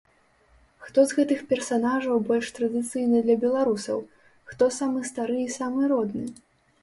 Хто з гэтых персанажаў больш традыцыйны для беларусаў, хто самы стары і самы родны?